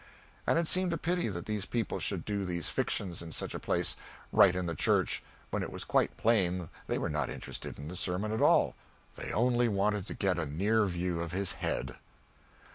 And it seemed a pity that these people should do these fictions in such a place right in the church when it was quite plain they were not interested in the sermon at all; they only wanted to get a near view of his head.